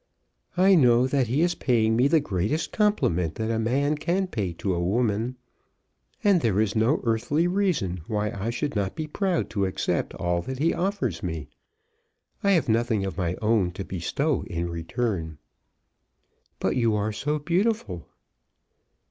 "I know that he is paying me the greatest compliment that a man can pay to a woman. And there is no earthly reason why I should not be proud to accept all that he offers me. I have nothing of my own to bestow in return." "But you are so beautiful."